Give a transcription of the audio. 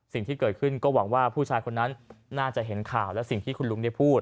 สิ่งที่เกิดขึ้นก็หวังว่าผู้ชายคนนั้นน่าจะเห็นข่าวและสิ่งที่คุณลุงได้พูด